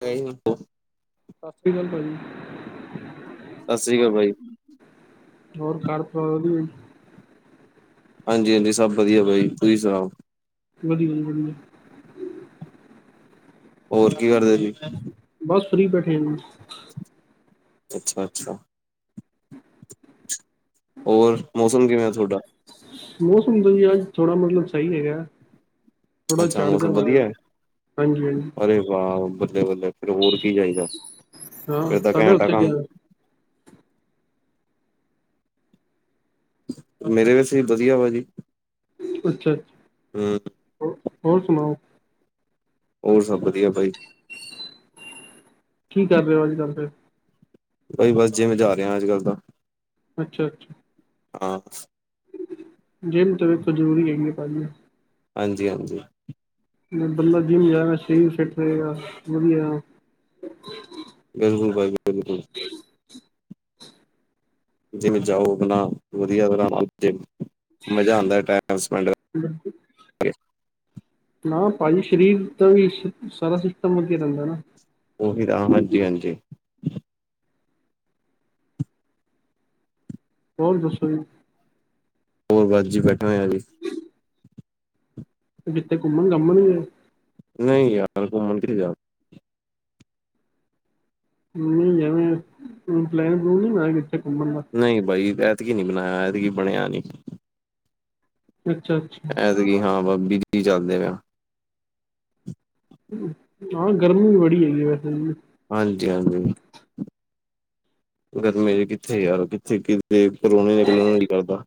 ਕਈ ਹੈਲੋ, ਰੁਕੋ। ਸਤਿ ਸ਼੍ਰੀ ਅਕਾਲ ਭਾਜੀ। ਸਤਿ ਸ੍ਰੀ ਅਕਾਲ ਭਾਈ। ਹੋਰ ਘਰ ਪਰਿਵਾਰ ਵਧੀਆ ਜੀ। ਹਾਂਜੀ-ਹਾਂਜੀ, ਸਭ ਵਧੀਆ ਬਾਈ ਤੁਸੀਂ ਸੁਣਾਓ? ਵਧੀਆ ਜੀ ਵਧੀਆ। ਹੋਰ ਕੀ ਕਰਦੇ ਸੀ? ਬਸ ਫ੍ਰਰੀ ਬੈਠੇ ਆ। ਅੱਛਾ-ਅੱਛਾ। ਹੋਰ ਮੌਸਮ ਕਿਵੇਂ ਤੁਹਾਡਾ? ਮੌਸਮ ਦਾ ਜੀ ਅਜ ਥੋੜਾ ਮਤਲਬ ਸਹੀ ਹੈਗਾ। ਥੋੜਾ ਅੱਛਾ ਝੜ ਜਾ ਮੌਸਮ ਬਣਿਆ, ਵਧੀਆ ਹੈ' ਹਾਂਜੀ-ਹਾਂਜੀ, ਅਰੇ ਵਾਹ ਬੱਲੇ-ਬੱਲੇ ਫਿਰ ਹੋਰ ਕੀ ਚਾਹੀਦਾ। ਹਾਂ ਫਿਰ ਤਾਂ ਤੁਹਾਡੇ ਘੈਂਟ ਆ ਉੱਥੇ ਕੰਮ ਕਿਵੇਂ? ਮੇਰੇ ਵੈਸੇ ਵਧੀਆ ਵਾ ਜੀ। ਅੱਛਾ ਹਮ ਅੱਛਾ ਹੋਰ ਸੁਣਾਓ? ਹੋਰ ਸਭ ਵਧੀਆ ਬਾਈ। ਕਿ ਕਰ ਰਹੇ ਹੋ ਅਜ ਕੱਲ ਫਿਰ? ਭਾਜੀ ਬਸ ਜਿਮ ਜਾ ਰਿਹਾ ਅੱਜ ਕੱਲ੍ਹ ਤਾਂ। ਅੱਛਾ-ਅੱਛਾ ਹਾਂ। ਜਿਮ ਜਾਣਾ ਤਾ ਜ਼ਰੂਰੀ ਹੋ ਗਈ ਏ ਭਾਜੀ। ਹਾਂਜੀ-ਹਾਂਜੀ। ਬੰਦਾ ਜਿਮ ਜਾਏਗਾ ਸ਼ਰੀਰ ਫਿਟ ਰਹੇਗਾ ਵਧੀਆ। ਬਿਲਕੁਲ ਭਾਈ ਬਿਲਕੁਲ। ਹ [unintelligible] ਜਿਵੇਂ ਜਾਓ, ਆਪਣਾ ਵਧੀਆ ਤਰ੍ਹਾਂ ਨਾਲ ਮਜ਼ਾ ਆਉਂਦਾ ਟਾਈਮ ਸਪੈਂਡ। ਹਮ। ਕਰਕੇ ਹਾਂ ਭਾਜੀ ਸਰੀਰ ਦਾ ਵੀ ਸਾਰਾ ਸਿਸਟਮ ਵਧੀਆ ਰਹਿੰਦਾ ਨਾ। ਉਹੀ ਤਾਂ ਹਾਂਜੀ-ਹਾਂਜੀ। ਹੋਰ ਦੱਸੋ ਜੀ? ਹੋਰ ਬਸ ਜੀ ਬੈਠਾ ਹੋਇਆ ਜੀ। ਤੁਸੀਂ ਕਿੱਥੇ ਘੁੰਮਣ ਘੁੰਮਣ ਨਹੀਂ ਗਏ? ਨਹੀਂ ਯਾਰ ਘੁੰਮਣ ਨੀ ਗਿਆ। ਨਹੀਂ ਐਵੇਂ ਪਲੈਨ ਪਲੁਨ ਨਹੀਂ ਬਣਾਇਆ ਕਿੱਥੇ ਘੁੰਮਣ ਦਾ। ਨਹੀਂ ਬਾਈ ਐਤਕ ਨੀ ਬਣਾਇਆ' ਐਤਕੀ ਬਣਿਆ ਨੀ। ਅੱਛਾ-ਅੱਛਾ। ਜੈਸੇ ਕਿ ਹਾਂ ਨਹੀਂ ਚੱਲਦੇ ਆ। ਹਾਂ ਗਰਮੀ ਵੀ ਬੜੀ ਹੈਗੀ ਵੈਸੇ। ਹਾਂਜੀ ਹਾਂਜੀ। ਗਰਮੀ ਚ ਕਿੱਥੇ ਯਾਰ ਕਿੱਥੇ ਕਿ ਪਰੋਣੇ ਨਿਕਲਣ ਨੂੰ ਨਹੀ ਜੀ ਕਰਦਾ।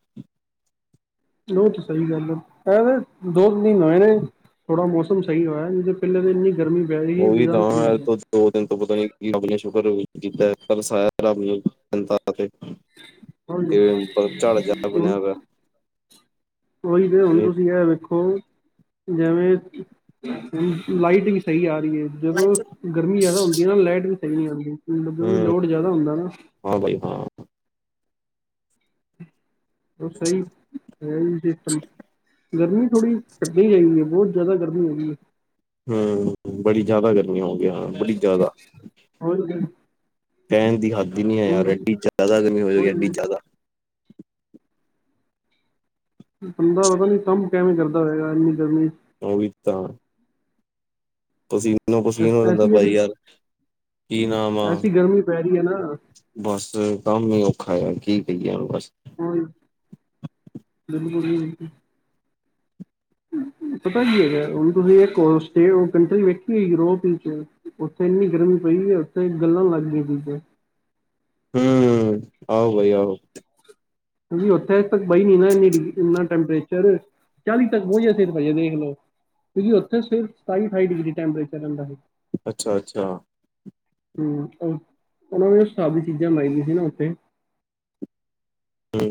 ਉਹ ਤੇ ਸਹੀ ਗੱਲ ਆ। ਕ ਦੋ ਤ ਮਹੀਨੇ ਨੇ ਥੋੜਾ ਮੌਸਮ ਸਹੀ ਹੋਇਆ ਨਹੀਂ ਪਹਿਲੇ ਤਾਂ ਇਨੀ ਗਰਮੀ ਪੈ ਰਹੀ ਉਹ ਸੀ। ਵੀ ਤਾਂ ਹੈ ਜਿ ਤੋਂ ਦੋ ਦਿਨ ਤੋਂ ਪਤਾ ਨੀ ਰੱਬ ਨੇ ਸ਼ੁਕਰ ਕੀਤਾ। ਪਰ ਸਾਇ ਰੱਬ ਨੇ ਹਾਂਜੀ, ਝਾੜ ਜਾਰ ਹੁਣ ਬਣਿਆ। ਉਹੀ ਤੇ ਹੁਣ ਨਹੀਂ ਤੁਸੀਂ ਇਹ ਵੇਖੋ। ਜਿਵੇਂ, ਲਾਈਟਿੰ ਵੀ ਸਹੀ ਆ ਰਹੀ ਹੈ। ਜਦੋਂ ਗਰਮੀ ਜ਼ਿਆਦਾ ਹੁੰਦੀ ਆ ਨਾ ਲਾਈਟ ਵੀ ਸਹੀ ਨੀ ਆਉਂਦੀਦੋਂ ਵੀ ਲੋਡ ਹੂੰ ਜ਼ਿਆਦਾ ਹੁੰਦਾ ਨਾ। ਹਾਂ, ਬਾਈ ਹਾਂ। ਉਹ ਸਹੀ- ਸਹੀ ਸਿਸਟਮ ਗਰਮੀ ਥੋੜੀ ਘੱਟੀ ਚਾਹਦੀ ਹੈ ਬਹੁਤ। ਜ਼ਿਆਦਾ ਗਰਮੀ ਹੋ ਗਈ ਹੈ। ਹਮ, ਬੜੀ ਜ਼ਿਆਦਾ ਗਰਮੀਆਂ ਹੋ ਗਈਆਂ ਬੜੀ ਜ਼ਿਆਦਾ। ਹੋਰ ਫੈਣ ਦੀ ਹੱਦ ਹੀ ਨਹੀਂ ਹੈ ਯਾਰ ਹੁਣ ਐਡੀ ਜ਼ਿਆਦਾ ਗਰਮੀ ਹੋ ਜਾਵੇਗੀ ਐਡੀ ਉਹੀ ਜ਼ਿਆਦਾ। ਬੰਦਾ ਪਤਾ ਨੀ ਕੰਮ ਕਿਵੇਂ ਕਰਦਾ ਹੋਏਗਾ ਇੰਨੀ ਗਰਮੀ। ਹੋਵ ਤਾਂ ਪਸਮੀਨੋ- ਚ ਪਸਮੀਨੋ ਰਹਿੰਦਾ ਐਸੀ ਬਾਈ ਵੈਸੀ ਯਾਰ। ਕੀ ਨਾਮ ਆ। ਐਸੀ ਗਰਮੀ ਪੈ ਰਹੀ ਹੈ ਨਾ ਬਸ ਕੰਮ ਹੀ ਔਖਾ ਆ ਕੀ ਕਹੀਏ ਹੁਣ ਬਸ। ਹੋਰ। ਦ ਬ ਪਤਾ ਕੀ ਹੈਗਾ। ਹੁਣ ਤੁਸੀਂ ਇੱਕ ਹੋ ਸਟੇ ਕੰਟਰੀ ਵੇਖੀ ਯੂਰੋਪ ਵਿੱਚ ਉੱਥੇ ਇੰਨੀ ਗਰਮੀ ਪਈ ਹੈ ਉੱਥੇ ਗੱਲਾਂ ਲੱਗ ਗਈਆਂ ਸੀ। ਹਮ। ਆਓ ਭਾਈ ਆਓ। ਕਿਉਂਕਿ ਉੱਥੇ ਤੱਕ ਬਾਈ ਨੀ ਨਾ ਇੰਨੀ ਡਿ ਇੰਨਾ ਟੈਂਪਰੇਚਰ। ਚਾਲੀ ਤੱਕ ਬਹੁਥੇਾਈ ਦੇਖ ਲੋ। ਕਿਉਂਕਿ ਉੱਥਰ ਸਤਾਈ- ਅਠਾਈ ਡਿਗਰੀ ਟੈਂਪਰੇਚਰ ਰਹਿੰਦਾ ਸੀ। ਅੱਛਾ -ਅੱਛਾ ਹਮ, ਉਹਨਾਂ ਨੇ ਸਾਰੀ ਚੀਜ਼ਾਂ ਲਾਈਆਂ ਸੀ ਨਾ ਉੱਥੇ। ਹਠ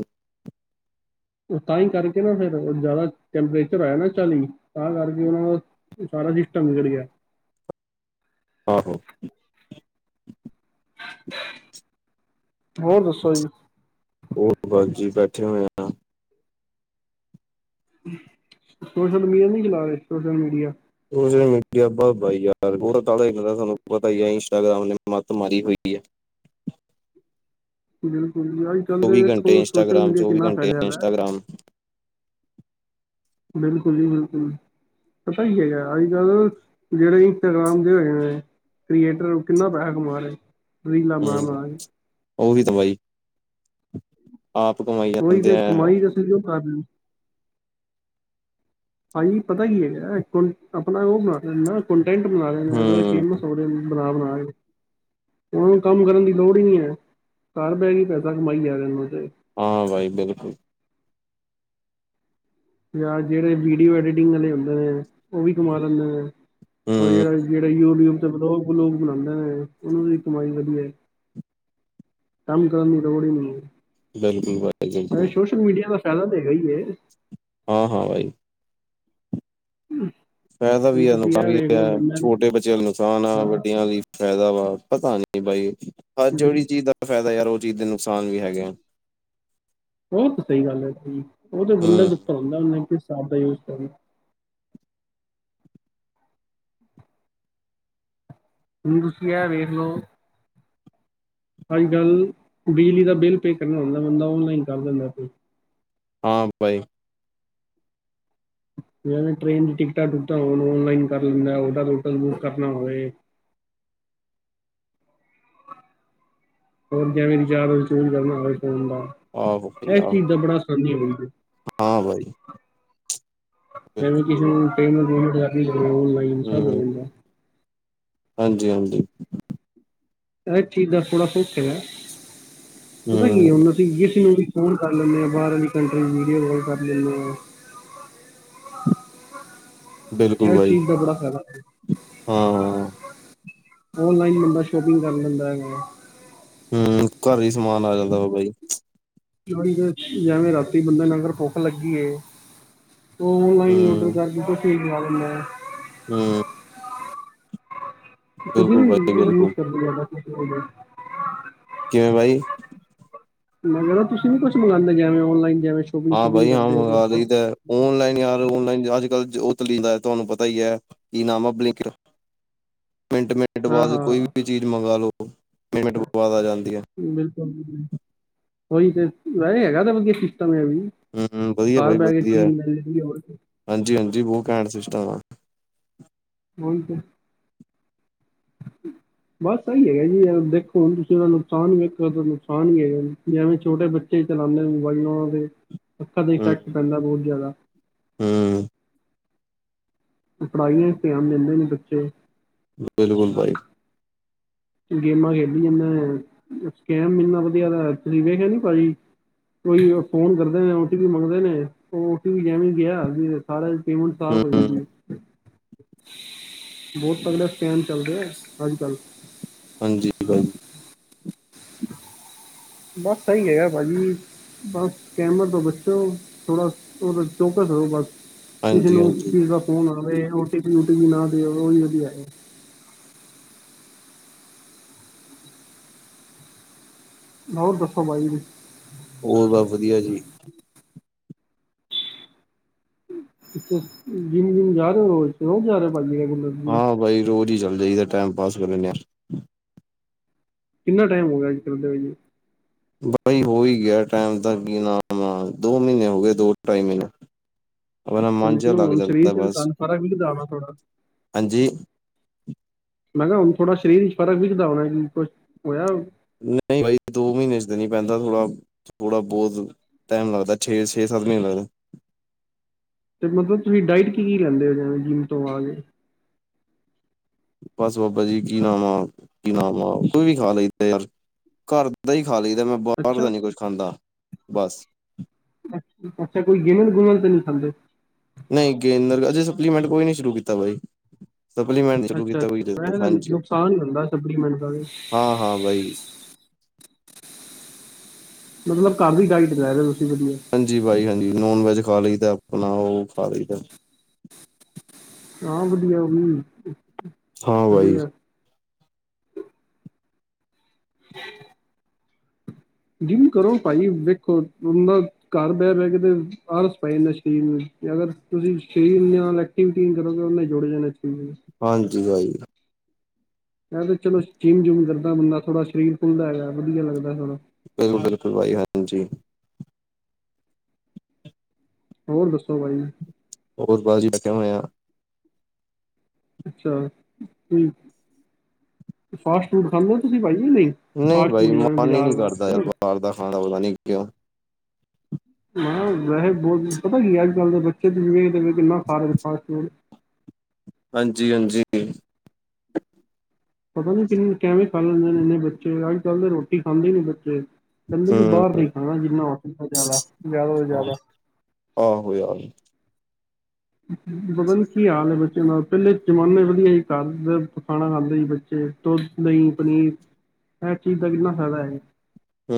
ਤਾਂ ਹੀ ਕਰਕੇ ਨਾ ਫਿਰ ਜ਼ਿਆਦਾ ਟੈਂਪਰੇਚਰ ਆਇਆ ਨਾ ਚਾਲੀ ਤਾਂ ਕਰਕੇ ਉਹਨਾਂ ਦਾ। ਸਾਰਾ ਸਿਸਟਮ ਵਿਗੜ ਗਿਆ। ਆਹੋ! ਹੋਰ ਦੱਸੋ ਜੀ? ਉਹ ਬਸ ਜੀ ਬੈਠੇ ਹੋਏ ਆ। ਸੋਸ਼ਲ ਮੀਡੀਆ ਨਹੀਂ ਚਲਾ ਰਹੇ ਸੋਸ਼ਲ ਮੀਡੀਆ। ਸੋ ਮੀਡੀਆ ਬ ਯਾਰ ਤੁਹਾਨੂੰ ਪਤਾ ਇੰਸਟਾਗ੍ਰਾਮ ਨੇ ਮੱਤ ਮਾਰੀ ਹੋਈ ਹੈ। ਬਿਲਕੁਲ ਜੀ ਅੱਜ ਕੱਲ੍ਹ ਦੇ ਚੌਵੀ ਘੰਟੇ ਵੇਖੋ ਸੋਸ਼ਲ ਇੰਸਟਾਗ੍ਰਾਮ ਮੀਡੀਆ ਚੌਵੀ ਕਿੰਨਾ ਘੰਟੇ ਫੈਲਿਆ ਵ। [unintelligible] ਬਿਲਕੁਲ ਜੀ ਬਿਲਕੁਲ। ਪਤਾ ਹੀ ਹੈਗਾ। ਅੱਜ ਕੱਲ ਜਿਹੜੇ ਇੰਸਟਾਗ੍ਰਾਮ ਦੇ ਹੋਏ ਨੇ ਕ੍ਰੀਏਟਰ ਨੂੰ ਕਿੰਨਾ ਪੈਸਾ ਕਮਾ ਰਹੇ ਰੀਲਾਂ ਹ, ਬਣਾ ਮ ਬਣਾ ਕੇ ਉਹੀ ਤਾਂ ਬਾਈ, ਆਪ ਕਮਾਈ ਕੋਈ ਜਾਂਦੇ ਤੇ ਆ ਕਮਾਈ ਤੇ ਅਸੀ ਕਰਹੇ ਹਾਂਜੀ, ਪਤਾ ਕੀ ਹੈਗਾ। ਆਪਣਾ ਉਹ ਬਣਾ ਰਹੇ ਨਾ ਕਟੈਂਟ ਬਣਾ ਰਹੇ ਨੇ। ਅਗ ਹੂੰ ਫੇਮਸ ਬਣਾ- ਬਣਾ ਕੇ ਉਹਨਾਂ ਨੂੰ ਕੰਮ ਕਰਨ ਦੀ ਲੋੜ ਹੀ ਨੀ ਹੈ। ਘਰ ਬਹਿ ਕੇ ਪੈਸਾ ਕਮਾਈ ਜਾ ਰ ਤੇ ਹਾਂ, ਬਾਈ ਬਿਲਕੁਲ ਜਾਂ ਜਿਹੜੇ ਵੀਡੀਓ ਐਡੀਟਿੰਗ ਵਾਲੇ ਹੁੰਦੇ ਨੇ। ਉਹ ਵੀ ਕਮਾ ਲੈਂਦੇ ਨੇ। ਹੂੰ ਜਿਹੜਾ- ਜਿਹੜਾ ਯੂਟਿਊਬ ਤੇ ਬਲੋਗ- ਵਲੋਗ ਬਣਾਉਂਦੇ ਨੇ ਉਹਨਾਂ ਦੀ ਕਮਾਈ ਵਧੀਆ। ਕੰਮ ਕਰਨ ਦੀ ਲੋੌੜੀ ਨੀ। ਬਿਲਕੁਲ -ਬ ਸੋਸ਼ਲ ਮੀਡੀਆ ਦਾ ਫੈਲਾ ਦੇਗਾ ਹੀ ਹੈ। ਹਾਂ, ਹਾਂ, ਬਾਈ। ਹਮ, ਫ਼ਾਇਦਾ ਵੀ ਆ ਨੁਕਸਾਨ ਵੀ, ਛੋਟੇ ਬੱਚਿਆਂ ਲਈ ਨੁਕਸਨ ਆ, ਹਾਂ ਵਡਿਆ ਲਈ ਫਾਇਦਾ, ਆ ਪਤਾ ਨਈ ਜੀ ਬਾਈ ਅੱਜ ਵੀ ਚੀਜ਼ ਦਾ ਫਾਇਦਾ ਯਾਰ, ਉਹ ਚੀਜ਼ ਦੇ ਨੁਕਸਾਨ ਵੀ ਹੈਗਾ ਉਹਹੁ ਤਾਂ ਸਹੀ ਗੱਲ ਹੈ, ਉਹ ਤਾਂ ਬੰਦਾ ਹਮ ਦਿੱਤਾ ਹੁੰਦਾ, ਉਹ ਕਿਸ ਹਿਸਾਬ ਦਾ ਯੂਜ ਕਰ, ਹੁਣ ਤੁਸੀ, ਆ ਵੇਖਲੋ ਅੱਜ ਕੱਲ੍ਹ, ਬਿਜਲੀ ਦਾ ਬਿੱਲ ਪੇ ਕਰਨਾ ਹੁੰਦਾ, ਬੰਦਾ ਔਨਲਾਈਨ ਕਰ ਦਿੰਦਾ ਕੋ ਹਾਂ, ਬਾਈ। ਯ ਟ੍ਰੇਨ ਦੀ ਟਿਕਟਾਂ ਟੁਕਟਾਂ ਔਨਲਾਈਨ ਕਰ ਲੈਂਦਾ, ਹੋਟਲਟਲ ਬੁੱਕ ਕਰਨਾ ਹੋਵੇ ਹੋਰ, ਕਿਵੇਂ ਵਿਚਾਰ, ਫੋਨ ਕਰਨਾ ਹੋਵੇ ਫੋਨ ਦਾ ਆਹੋ ਬਾਈ ਇਹ, ਆਹੋ ਚੀਜ਼ ਦਾ ਬੜਾ ਆਸਾਨੀ ਹੋਈ। ਹਾਂ, ਬਾਈ? ਮ ਵੀ ਬਿਲਕੁਲ ਕਿਸ ਨੂੰ, [inaudible] ਹੁੰ ਜਾਂਦਾ ਹਾਂਜੀ ਹਾਂਜੀ, ਚਾਹੇ ਠੀਕ ਸੀਗਾ, ਥੋੜਾ ਸੁਸਤ ਹੈਗਾ, ਪਤਾ ਕੀ ਹਮ ਹੈ ਉਹ, ਕਿਸੀ ਨੂੰ ਵੀ ਫੋਨ ਕਰ ਲੈਂਦੇ ਆ, ਬਾਹਰ ਵੀ ਕੰਟਰੀ ਵੀਡੀਓ ਕਾਲ ਕਰ ਲੈਂਦੇ, ਆਾਂ ਬਿਲਕੁਲ, ਇਹ ਬਾਈ ਚੀਜ਼ ਬੜਾ ਫਾਇਦਾ ਹਾਂ, ਹਾ। ਔਨਲਾਈਨ, ਬੰਦਾ ਸ਼ੋਪਿੰਗ ਕਰ ਲੈਂਦਾ ਹੈਗਾ। ਹੂ ਹੂ ਘਰੇ ਹੀ ਸਮਾਨ ਆ ਜਾਂਦਾ ਵਾ ਬਾਈ। ਜਿਵੇਂ ਰਾਤੀ ਬੰਦਾ ਭੁੱਖ ਲੱਗੀ ਏ ਓਨਲਾਈਨ, ਡਰ ਹਮ ਕਰਕੇ ਫੜਾ ਜਾ ਦਿੰਦਾ। ਆ ਤੁਸੀਂ ਬਿਲਕੁਲ ਨੀ ਬਾਈ ਯੂਜ ਬਿਲਕੁਲ ਕਰਦੇ ਆ [inaudible] ਕਿਵੇਂ, ਬਾਈ? ਮੈਂ ਕਿਹਾ, ਤੁਸੀਂੀ ਕੁਛ ਮੰਗਗਾਉਂਦੇ ਜਿਵੇ, ਓਨਲਾਈਨ ਜਵੇ ਹਾਂ, ਬਾਈ ਹਾਂ ਮੰਗਾ, ਲਈ ਦਾ ਓਨਲਾਈਨ, ਯਾਰ ਓਨਲਾਈਨ ਅੱਜ ਕੱਲ ਉਤਲੀ ਦਾ ਤੁਹਾਨੂੰ ਪਤਾ ਹੀ ਹੈ ਕੀ ਨਾਮ ਆ ਬਲਿੰਕ ਮਿੰਟ ਮਿੰਟ ਬਾਅਦ ਕੋਈ ਵੀ ਚੀਜ਼ ਮੰਗ ਲਓ, ਮਿੰਟ ਬਾਅਦ ਆ, ਜਾਂਦੀ ਹੈ। ਬਿਲਕੁਲੁ, ਉਹੀ ਤੇ ਹੈਗਾ ਤਾਂ ਵਧੀ ਹੈਗਾ ਆ ਸਿਸਟਮ ਏ ਵੀ ਹੂੰ ਵਧੀਆ ਘਰ ਭਾਈ ਬਹਿ ਠੀਕ ਕੇ, ਵਧੀਆ ਚੀਜ਼ ਮਿਲਦੀ ਹੋਰ। ਹਾਂਜੀ ਹਾਂਜੀ, ਵਹ ਕੈਂਟ ਸਸਤਾ ਆ ਓਹੀ ਤੇ, ਬਸ ਸਹੀ ਹੈਗਾ ਜੀ, ਯ ਦੇਖੋ ਹੁਣ ਕਿਸੇ ਦਾ ਨੁਕਸਾਨ ਵੇਖੋ ਨੁਕਸਾਨ ਦੇਣ ਜਿਵੇਂ, ਛੋਟੇ ਬੱਚੇ ਚਲਾਉਂਦੇ ਮੋਬਾਈਲ, ਉਹਨਾਂ ਦੇ ਅੱਖਾਂ ਤੇ ਇਫੈਕਟ ਪੈਂਦਾ, ਬਹੁਤ ਜ਼ਿਆਦਾ ਹ ਅ ਅ ਪੜ੍ਹਾਈ ਚ, ਧਿਆਨ ਦਿੰਦੇ ਨੇ ਬੱਚੇ ਬਿਲਕੁਲ, ਭਾਈ। ਗੇਮਾਂ ਖੇਡ ਲੈਂਦੇ ਨੇ ਸਕੇਮ ਇੰਨਾ ਵਧੀਆ ਤੁਸੀ ਵੇਖਿਆ ਨਈ, ਭਾਜੀ, ਕੋਈ ਫੋਨ ਕਰਦੇ ਨੇ, ਓਟੀ ਪੀ ਮੰਗਦੇ ਨੇ, ਉਹ ਓਟੀ ਪੀ ਜਿਵੇਂ ਗਿਆ, ਵੀ ਸਾਰੇ ਪੇਮਟ ਸਾਫ਼, ਹੋ ਹੂੰ ਜਾਂਦੀ ਏ ਬਹੁਤ ਅੰਦਰ ਸਕੇਨ ਚੱਲ ਰਿਹਾ, ਅੱਜ ਕੱਲ ਹਾਂਜੀ। ਠੀਕ ਜੀ, [inaudible] [unintelligible] ਸਭ ਸਹੀ ਹੈਗਾ, ਭਾਜੀ। ਬਸ ਸਕੇਮਰ ਤੋਂ ਬੱਚਉ ਥੋੜਾ ਚੌਕਸ ਰਹੋ ਬਸ? ਕਿਸੇ ਹਾਂਜੀ ਨੂੰ, ਹਾਂਜੀ ਕਿਸ ਦਾ ਫੋਨ ਆਵੇ,, ਓਟੀ ਪੀਟੀ ਵੀ ਨਾ ਦਿਉ, ਉਹੀ ਵਧੀਆ। ਹੋਰ, ਦੱਸੋ ਬਾਈ, ਤੁਸੀ? ਹੋਰ ਬਸ ਵਧੀਆ ਜੀ। ਜਿੰਮ ਜੂੰਮ ਜਾ ਰਹੇ ਰੋਜ ਜਾ ਰੋਜ ਜਾ ਰਹੇ ਓ ਭਾਜੀ ਰੈਗੂਲਰ ਜਿਮ ਹਾਂ ਬਾਈ ਰੋਜ ਈ ਚੱਲ ਜਾਈਦੈ, ਟੈਮ ਪਾਸ ਕਰ ਲੈਂਨੇ ਆਂ। ਕਿੰਨਾ ਟਾਈਮ ਹੋ ਗੇਐ ਆੱਜ ਕਰਦੇ ਹੋਈਏ? ਬਾਈ ਹੋ ਹੀ ਗਿਆ ਟੈਮ ਦਾ ਕੀ ਨਾਮ ਆ ਦੋ ਮ੍ਹੀਨੇ ਹੋ ਗਏ ਦੋ ਢਾਈ ਮ੍ਹੀਨੇ ਆਪਣਾ ਤੇ ਮਨ ਜਿਹਾ ਮਤਲਬ ਲੱਗ ਹੁਣ ਸਰੀਰ ਜਾਂਦਾ 'ਚ ਤਾਂ ਬਸ ਫਰਕ ਵਿਖਦਾ ਹੋਣਾ ਥੋੜਾ ਹਾਂਜੀ। ਮੈਂ ਕੇਆ ਹੁਨ ਥੋੜਾ ਸ਼ਰੀਰ ਇਚ ਫਰਕ ਵਿਖਦਾ ਹੋਣੈ ਵੀ ਕੁੱਛ ਹੋਏਐ? ਨਹੀਂ ਬਾਈ ਦੋ ਮਹੀਨੇ 'ਚ ਦੇਣੀ ਪੈਂਦਾ ਥੋੜ੍ਹਾ ਥੋੜਾ ਬੋਤ ਟੈਮ ਲੱਗਦੈ, ਛੇ, ਛੇ-ਸਾੱਤ ਮੀਨੇ ਲੱਗਦੇ। ਤੇ ਮਤਲਬ ਤੂਸੀ ਡਾਇਟ ਕੀ-ਕੀ ਲੈਂਦੇ ਓ, ਜੈਂਵੇਂ ਜਿੰਮ ਤੋ ਆ ਕੇ? ਬਸ ਬਾਬਾ ਜੀ ਕੀ ਨਾਮ ਆ ਕੀ ਨਾਮ ਆ ਕੋਈ ਵੀ ਖਾ ਲਈ ਯਾਰ ਘਰ ਦਹੀਂ ਖਾ ਲੀਦੈ, ਮੈਂ ਬਾਰ ਦਾ ਅੱਛਾ ਨੀ ਕੁੱਛ ਖਾਂਦਾ ਬਾੱਸ। ਅ ਅੱਛਾ ਕੋਈ ਗਿਨਲ ਗੁਨਲ ਤੇ ਨਹੀਂ ਖਾਂਦੇ। ਨਹੀਂ ਗੇਂਨਰ ਅਜੇ ਸਪਲੀਮੈਂਟ ਕੋਈ ਨੀ ਸ਼ੁਰੂ ਕੀਤਾ ਬਈ ਸਪਲੀਮੈਂਟ ਸ਼ੁਰੂ ਕੀਤਾ ਅੱਛਾ-ਅੱਛਾ, ਵੈਸੇ ਤਾਂ ਹਾਂਜੀ ਨੁਕਸਾਨ ਈ ਹੁੰਦਾ ਸਪਲੀਮੈਂਟ ਦਾ ਵੀ। ਹਾਂ-ਹਾਂ ਬਾਈ ਮਤਲਬ ਘਰ ਵੀ ਡਾਇਟ ਲੈ ਰਹੇ ਤੁਸੀਂ ਵਧੀਆ ਹਾਂਜੀ ਬਾਈ ਹਾਂਜੀ, ਨੋਨ ਵੈਜ ਖਾ ਲਈਦੈ ਆਪਨਾ ਓ ਖਾ ਲਈਦੈ। ਹਾਂ ਵਧੀਆ ਉਹ ਵੀ ਹਾਂ ਬਾਈ ਵਧੀਆ। [inaudible] ਜਿੰਮ ਕਰੋ ਭਾਈ ਵੇਖੋ, ਹੂਨਨਾ ਘਾੱਰ ਬੈ-ਬੈ ਕੇ ਤੇ ਆਲਸ ਪੈ ਜਾਂਦਾ ਸਰੀਰ ਨੂੰ ਅਗਰ ਤੁਸੀਂ ਸਰੀਰ ਨਾਲ ਐਕਟੀਵਿਟੀ ਨੀ ਕਰੋਗੇ ਉਹੇ ਜੁੜ ਜਾਣਾ ਸਰੀਰ ਨੂੰ ਹਾਂਜੀ ਵਾਈ। ਮੈਂ ਤੇ ਚਲੋ ਜਿੰਮ-ਜੁਮ ਕਰਦਾਂ, ਬੰਦਾ ਥੋੜਾ ਸ਼ਰੀਰ ਖੁੱਲਦੈ ਹੈਗੈ, ਵਦੀਆ ਲੱਗਦੈ ਥੋੜਾ। [unintelligible] ਬਿਲਕੁਲ ਬਾਈ ਹਾਂਜੀ। ਹੋਰ ਦੱਸੋ ਵਾਈ ਈ? ਹੋਰ ਪਾਜੀ ਲਗੇ ਹੋਏ ਹਾਂ। ਅੱਛਾ ਠੀਕ ਫਾਸਟ ਫੂਡ ਖਾਂਦੇ ਓ ਤੁਸੀਂ ਭਾਜੀ ਨਹੀਂ। ਨਹੀਂ ਬਈ ਮਨ ਹੀ ਨਹੀਂ ਕਰਦਾ ਯਾਰ ਬਾਹਰ ਦਾ ਖਾਣਾ ਪਤਾ ਨਹੀਂ ਕਿਉਂ। ਮੈਂ ਵੈਸੇ ਬਹੁ ਪਤਾ ਕੀ ਅੱਜ ਕੱਲ ਦੇ ਬੱਚੇ ਵੇਖਦੇ ਕਿੰਨਾ ਖਾ ਰਹੇ ਫਾਸ ਫੂਡ ਹਾਂਜੀ, ਹਾਂਜੀ। ਪਤਾ ਨੀ ਕਿੰਨ ਕਿਵੇਂ ਖਾ ਲੈਂਦੇ ਨੇ ਇੰਨੇ ਬੱਚੇ ਅੱਜ ਕੱਲ੍ਹ ਤਾਂ ਰੋਟੀ ਖਾਂਦੇ ਹੀ ਨੀ ਬੱਚੇ ਕਹਿੰਦੇ ਵੀ ਹੂੰ ਬਾਹਰ ਦਾ ਇ ਖਾਣਾ ਜਿੰਨਾ ਹੋ ਸਕੇ ਜ਼ਿਆਦਾ ਜ਼ਿਆਦਾ ਤੋਂ ਜ਼ਿਆਦਾ ਆਹੋ ਯਾਰ ਪਤਾ ਨੀ ਕੀ ਹਾਲ ਹੈ ਬੱਚਿਆਂ ਨਾਲ ਪਹਿਲੇ ਜਮਾਨੇ ਵਧੀਆ ਸੀ ਘਰਦੇ ਖਾਣਾ ਖਾਂਦੇ ਸੀ ਬਚੇ ਦੁੱਧ ਦਹੀਂ ਪਨੀਰ ਇਹ ਚੀਜ਼ ਦਾ ਕਿੰਨਾ ਫਾਈਦਾ ਹੈ। ਹੂ।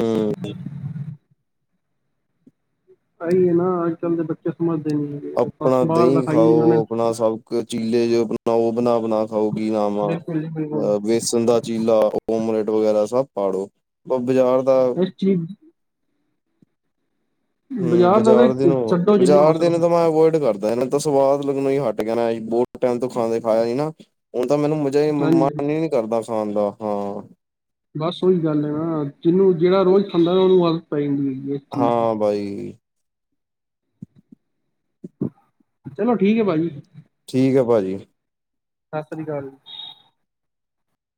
ਆਹੀ ਹੈ ਨਾ ਅੱਜ ਕੱਲ੍ਹ ਦੇ ਬੱਚੇ ਸਮਝਦੇ ਨੀ। ਹੈਗੇ ਬਸ ਆਪਣਾ ਬਾਹਰ ਦਾ ਦਹੀਂ ਖਾਈ ਜਾਂਦੇ ਨੇ ਖਾਓ ਆਪਣਾ ਸਭ ਕੁ ਚੀਲੇ ਜੋ ਬਣਾਓ ਬਣਾ ਬਣਾ ਹੋਰ, ਕੀ ਨਾਮ ਆ ਬਿਲਕੁਲ ਜੀ ਬਿਲਕੁਲ ਵੇਸਣ ਦਾ ਚੀਲਾ ਓਮਲੇਟ ਵਗੈਰਾ ਸਭ ਪਾੜੋ ਬਾਜ਼ਾਰ ਦਾ ਅ [unintelligible] ਹੂ ਦਾ ਬਾਜ਼ਾਰ ਦੇ ਤਾਂ ਨਾਂ ਹੋਣ, ਛੱਡੋ ਜਿੰਨਾ ਹੋ ਬਜ਼ਾਰ ਦੇ ਸਕਦਾ ਤਾਂ ਮੈਂ ਅਵੋਇਡ ਕਰਦਾ ਨਾਂ ਇੰਨਾ। ਤਾਂ ਸਵਾਦ ਲੱਗਣ ਹੀ ਹੱਟ ਗਿਆ ਮੈ, ਬਹੁਤ ਟਾਈਮ ਤੋਂ ਖਾਂਣਾ ਨਹੀਂ ਖਾਇਆ ਨਹੀਂ ਨਾ ਹੁਣ ਤਾਂ ਮੈਨੂੰ- ਤੇ ਹਾਂਜੀ ਮਨ ਹੀ ਨੀ ਕਰਦਾ ਖਾਣ ਦਾ ਹਾਂ। ਬਸ ਉਹੀ ਗੱਲ ਹੈ ਨਾ ਜਿਹਨੂੰ ਜਿਹੜਾ ਰੋਜ਼ ਖਾਂਦਾ ਨਾ ਉਹਨੂੰ ਆਦਤ ਪੈ ਜਾਂਦੀ ਹੈਗੀ। ਚੀਜ਼ ਦੀ ਹਾਂ ਬਈ ਚਲੋ ਠੀਕ ਹੈ ਭਾਜੀ। ਠੀਕ ਹੈ ਭਾਜੀ। ਸਤਿ ਸ੍ਰੀ ਅਕਾਲ ਜੀ